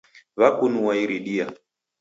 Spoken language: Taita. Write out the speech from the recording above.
Wakunua iridia